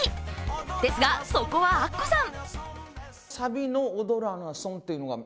ですが、そこはアッコさん。